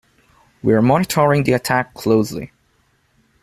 We're monitoring the attack closely.